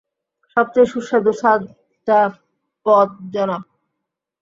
সবচেয়ে সুস্বাদু সাতটা পদ, জনাব!